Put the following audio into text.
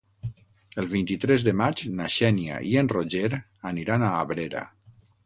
El vint-i-tres de maig na Xènia i en Roger aniran a Abrera.